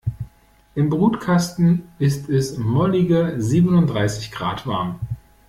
Im Brutkasten ist es mollige siebenunddreißig Grad warm.